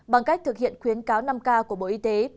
bằng cách thực hiện khuyến cáo năm k của bộ y tế